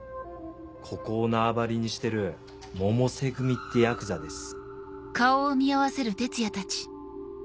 ここを縄張りにしてる百瀬組ってヤクザです。